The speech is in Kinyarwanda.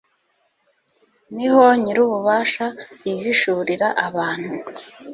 ni ho nyir'ububasha yihishurira abantu